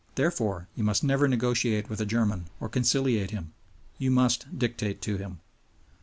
Therefore you must never negotiate with a German or conciliate him; you must dictate to him.